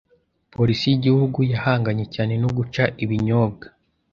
Polisi y’igihugu yahanganye cyane no guca ibinyobwa